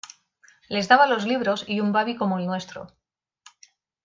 les daba los libros y un babi como el nuestro.